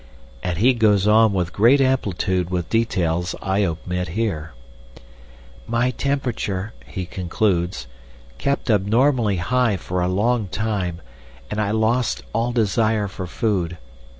And he goes on with great amplitude with details I omit here. "My temperature," he concludes, "kept abnormally high for a long time, and I lost all desire for food.